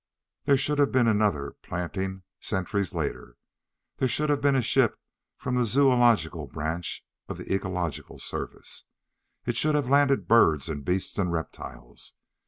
There should have been another planting centuries later. There should have been a ship from the Zoölogical Branch of the Ecological Service. It should have landed birds and beasts and reptiles.